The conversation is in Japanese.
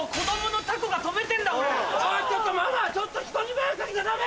ちょっとママ人に迷惑かけちゃダメ！